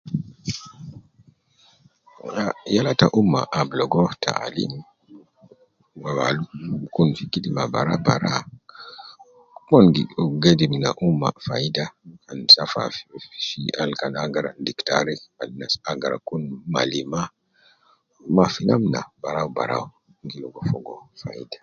Ah yala ta umma ab logo taalim, wu al kun fi kidima bara bara, mon gi gedim na umma faida al safa fi al kan agara diktari, al nas agara kun malima, ma fi namna barau barau, ne gi ligo fogo faida